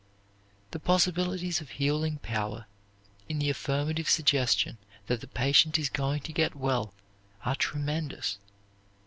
The possibilities of healing power in the affirmative suggestion that the patient is going to get well are tremendous.